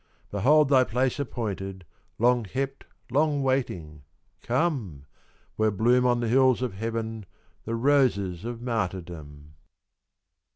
"Behold thy place appointed Long kept, long waiting come! Where bloom on the hills of Heaven The roses of Martyrdom!"